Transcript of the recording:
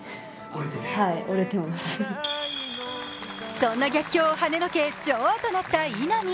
そんな逆境をはねのけ女王となった稲見。